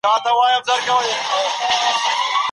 لسم ځل لومړی کېدل اسانه کار نه دی.